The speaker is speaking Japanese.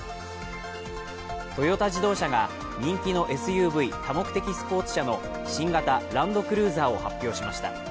トヨタ自動車が人気のＳＵＶ＝多目的スポーツ車の新型ランドクルーザーを発表しました。